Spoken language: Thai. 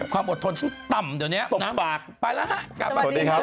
สวัสดีครับ